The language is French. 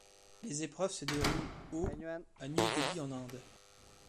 Les épreuves se déroulent au à New Delhi en Inde.